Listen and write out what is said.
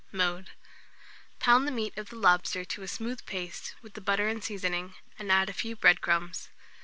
Mode. Pound the meat of the lobster to a smooth paste with the butter and seasoning, and add a few bread crumbs.